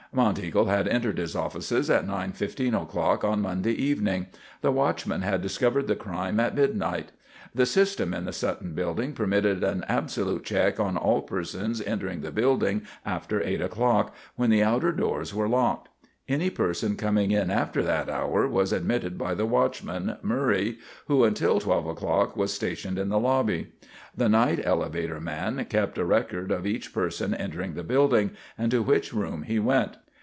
Monteagle had entered his offices at 9:15 o'clock on Monday evening. The watchman had discovered the crime at midnight. The system in the Sutton Building permitted an absolute check on all persons entering the building after 8 o'clock, when the outer doors were locked. Any person coming in after that hour was admitted by the watchman, Murray, who until 12 o'clock was stationed in the lobby. The night elevator man kept a record of each person entering the building and to which room he went.